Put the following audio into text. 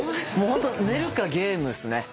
寝るかゲームっすね。